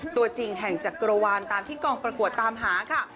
ตัวจริงแห่งจักรวาลตามที่กองประกวดตามหาค่ะ